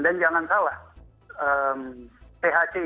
dan jangan salah thc itu bukan